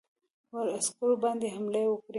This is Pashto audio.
پر عسکرو باندي حملې وکړې.